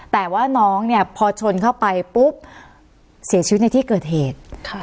แต่ว่าน้องเนี่ยพอชนเข้าไปปุ๊บเสียชีวิตในที่เกิดเหตุ